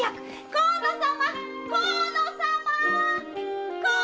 河野様。